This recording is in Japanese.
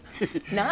何？